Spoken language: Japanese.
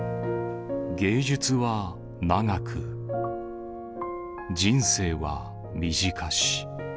芸術は永く、人生は短し。